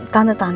tanda di kabin